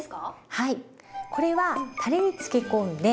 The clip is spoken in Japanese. はい。